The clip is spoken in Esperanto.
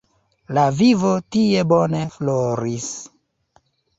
La vivo tie bone floris.